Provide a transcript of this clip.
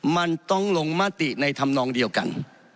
มันต้องลงมติในธรรมนองเดียวกัน